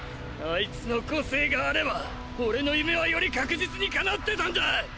あいつの個性があれば俺の夢はより確実に叶ってたんだ！